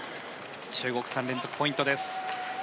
中国、３連続ポイントです。